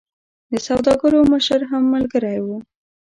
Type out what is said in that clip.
د سوداګرو مشر هم ملګری وو.